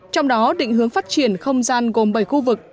trong đó định hướng phát triển không gian gồm bảy khu vực